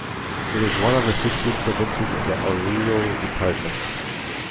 It is one of the sixteen provinces in the Oruro Department.